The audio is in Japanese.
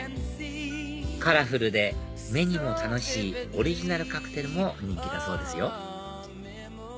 カラフルで目にも楽しいオリジナルカクテルも人気だそうですよ